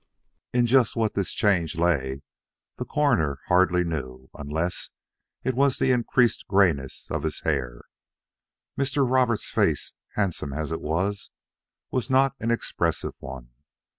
In just what this change lay, the Coroner hardly knew, unless it was in the increased grayness of his hair. Mr. Roberts' face, handsome as it was, was not an expressive one.